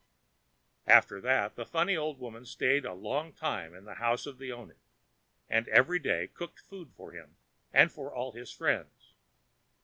After that, the funny old woman stayed a long time in the house of the oni, and every day cooked food for him and for all his friends.